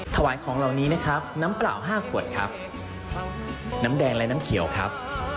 ถวายของเหล่านี้นะครับน้ำเปล่า๕ขวดครับน้ำแดงและน้ำเขียวครับ